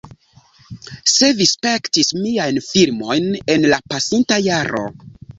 Se vi spektis miajn filmojn en la pasinta jaro